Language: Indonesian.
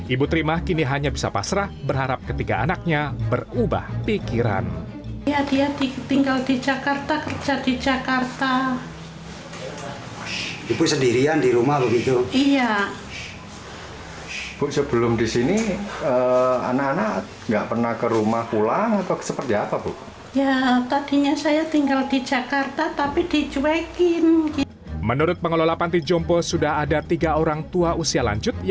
ibu terima sosok yang tertera dalam surat mengaku anaknya menyerahkan dirinya ke panti jompo dengan alasan tidak menangkapnya